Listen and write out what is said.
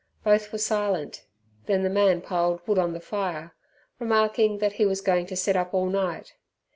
Both were silent, then the man piled wood on the fire, remarking that he was going to sit up all night.